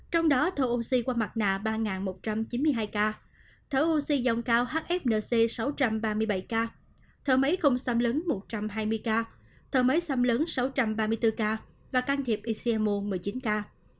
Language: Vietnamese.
trong đó thở oxy qua mặt nạ ba một trăm chín mươi hai ca thở oxy d dòng cao hfnc sáu trăm ba mươi bảy ca thở máy không xâm lấn một trăm hai mươi ca thở máy xâm lớn sáu trăm ba mươi bốn ca và can thiệp icmo một mươi chín ca